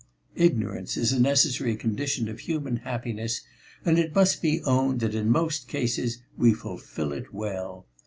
Ignorance is a necessary condition of human happiness, and it must be owned that in most cases we fulfil it well.